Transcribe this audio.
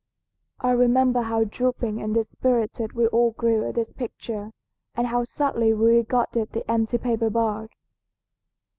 I remember how drooping and dispirited we all grew at this picture, and how sadly we regarded the empty paper bag.